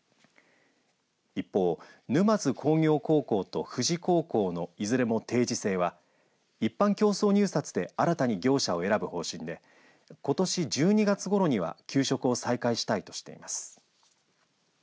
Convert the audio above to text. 一方、沼津工業高校と富士高校のいずれも定時制は一般競争入札で新たに業者を選ぶ方針でことし１２月ごろには給食を再開したいとしています。